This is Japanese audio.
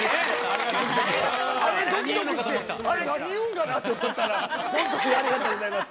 あれ、どきどきして、あれ、何言うんかなって思ったら、本当にありがとうございます。